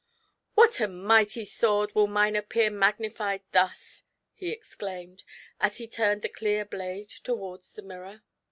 " What a mighty sword will mine appear magnified thus !" he exclaimed, as he turned the clear blade to wards the mirror.